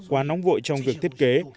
quá nóng vội trong việc thiết kế